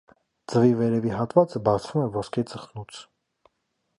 Ձվի վերևի հատվածը բացվում է ոսկե ծխնուց։